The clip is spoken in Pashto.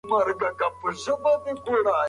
اورپکي د ټولنې نظم خرابوي.